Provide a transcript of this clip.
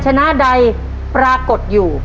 บนเสาไฟฟ้าตำแหน่งนี้